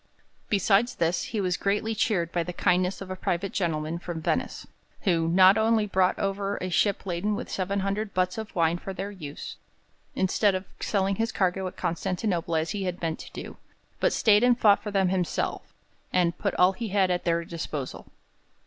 Besides this, he was greatly cheered by the kindness of a private gentleman from Venice, who not only brought over a ship laden with 700 butts of wine for their use, instead of selling his cargo at Constantinople as he had meant to do, but stayed and fought for them himself, and put all he had at their disposal.